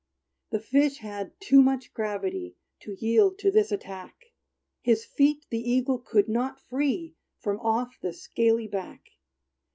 The fish had too much gravity To yield to this attack. His feet the eagle could not free From off the scaly back.